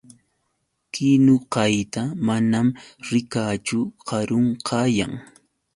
Kinukayta manam rikaachu. Karun kayan.